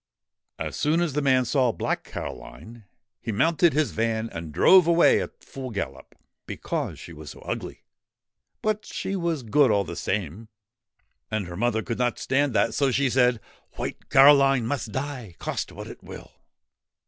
As soon as the man saw Black Caroline, he mounted his van and drove away at full gallop, because she was so ugly but she was good all the same. And her mother could not stand that, so she said :' White Caroline must die, cost what it will!'